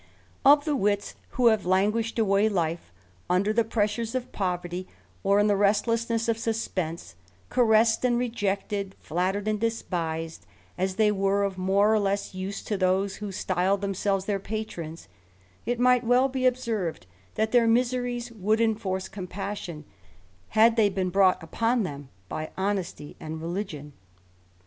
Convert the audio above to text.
Of the wits who have languished away life under the pressures of poverty, or in the restlessness of suspense, caressed and rejected, flattered and despised, as they were of more or less use to those who stiled themselves their patrons, it might be observed, that their miseries would enforce compassion, had they been brought upon them by honesty and religion.